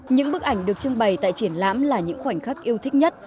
những bức ảnh được trưng bày tại triển lãm là những khoảnh khắc yêu thích nhất